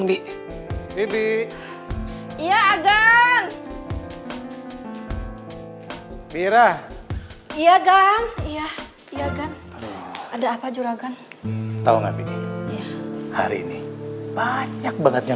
iya udah jadi bangetet